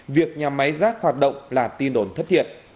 việc nhà máy rác hoạt động là tin đồn thất thiệt